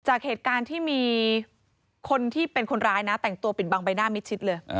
จากเหตุการณ์ที่มีคนที่เป็นคนร้ายนะแต่งตัวปิดบังใบหน้ามิดชิดเลย